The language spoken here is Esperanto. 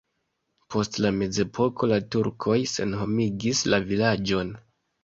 Post la mezepoko la turkoj senhomigis la vilaĝon.